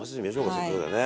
せっかくだからね。